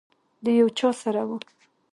د یو چا سره وه.